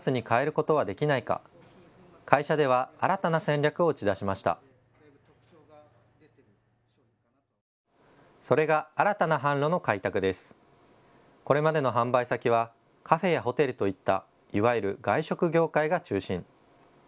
これまでの販売先はカフェやホテルといったいわゆる外食業界が中心。